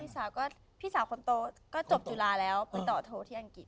พี่สาวคนโตก็จบจุฬาแล้วไปต่อโทรที่อังกฤษ